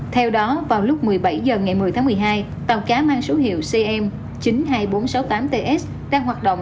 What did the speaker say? theo đó vào lúc một mươi bảy h ngày một mươi tháng một mươi hai tàu cá mang số hiệu cm chín mươi hai nghìn bốn trăm sáu mươi tám ts đang hoạt động